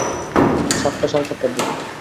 সাতটা, সাড়ে সাতটার দিকে।